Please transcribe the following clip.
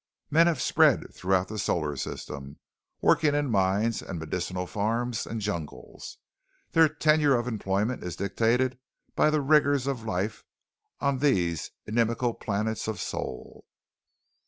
Men have spread throughout the solar system, working in mines and medicinal farms and jungles. Their tenure of employment is dictated by the rigors of life on these inimical planets of Sol.